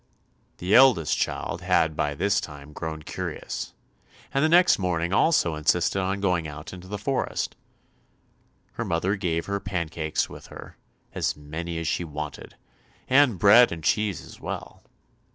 The eldest daughter had by this time grown curious, and the next morning also insisted on going out into the forest. Her mother gave her pancakes with her—as many as she wanted, and bread and cheese as well.